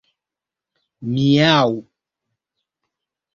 miaŭ